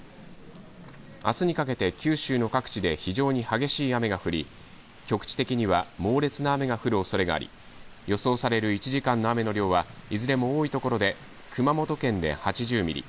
あすにかけて九州の各地で非常に激しい雨が降り、局地的には猛烈な雨が降るおそれがあり、予想される１時間の雨の量はいずれも多い所で熊本県で８０ミリ